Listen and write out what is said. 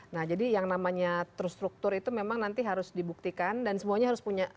nah jadi yang namanya terstruktur itu memang nanti harus dibuktikan dan semuanya harus punya